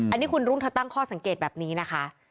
อันนี้คุณรุ่งเธอตั้งข้อสังเกตแบบนี้นะคะ